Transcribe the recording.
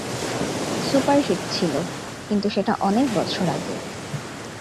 Super hit ছিল, কিন্তু সেটা অনেক বছর আগে।